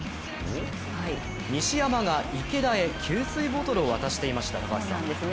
西山が池田へ給水ボトルを渡していましたね。